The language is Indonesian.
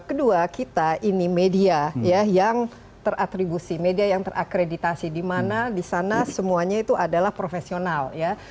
kedua kita ini media ya yang teratribusi media yang terakreditasi dimana disana semuanya itu adalah profesional ya